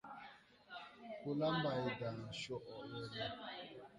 Ko la Mbaydan coʼwe le.